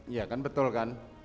iya kan betul kan